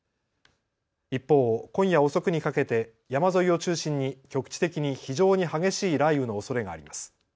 一方、今夜遅くにかけて山沿いを中心に局地的に非常に激しい雷雨のおそれがあります。